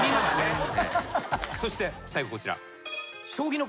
そして最後こちら。